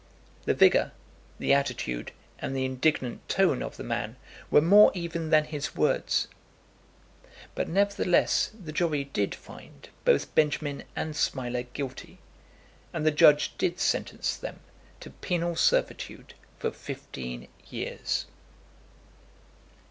The vigour, the attitude, and the indignant tone of the man were more even than his words; but, nevertheless, the jury did find both Benjamin and Smiler guilty, and the judge did sentence them to penal servitude for fifteen years.